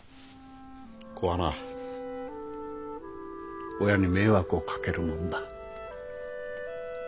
子はな親に迷惑をかけるもんだ。